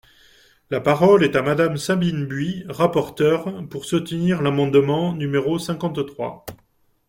La parole est à Madame Sabine Buis, rapporteure, pour soutenir l’amendement numéro cinquante-trois.